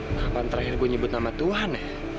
kapan terakhir gue nyebut nama tuhan